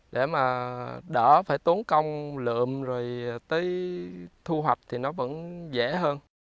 để mà đỡ phải tốn công lượm rồi tới thu hoạch thì nó vẫn dễ hơn